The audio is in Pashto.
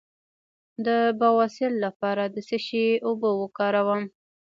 د بواسیر لپاره د څه شي اوبه وکاروم؟